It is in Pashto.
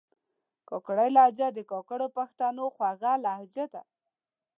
کاکړۍ لهجه د کاکړو پښتنو خوږه لهجه ده